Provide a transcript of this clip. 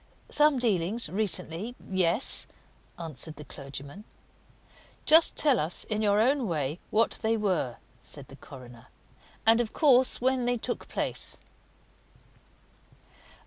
"Some dealings recently yes," answered the clergyman. "Just tell us, in your own way, what they were," said the coroner. "And, of course, when they took place."